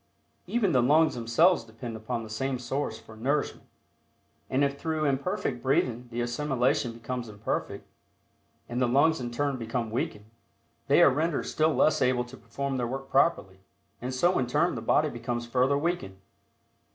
Even the lungs themselves depend upon the same source for nourishment, and if through imperfect breathing the assimilation becomes imperfect, and the lungs in turn become weakened, they are rendered still less able to perform their work properly, and so in turn the body becomes further weakened.